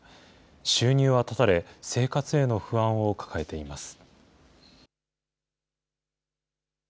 収入は断たれ、生活への不安を抱えています。